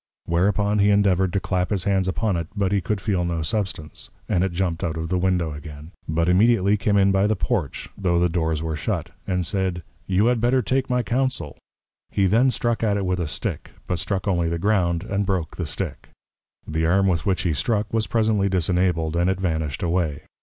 _ Whereupon he endeavoured to clap his Hands upon it; but he could feel no substance; and it jumped out of the Window again; but immediately came in by the Porch, tho' the Doors were shut, and said, You had better take my Counsel! He then struck at it with a Stick, but struck only the Ground, and broke the Stick: The Arm with which he struck was presently Disenabled, and it vanished away.